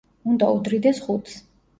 უნდა უდრიდეს ხუთს.